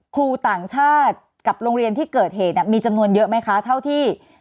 ครูต่างชาติกับโรงเรียนที่เกิดเหตุมีจำนวนเยอะไหมคะเท่าที่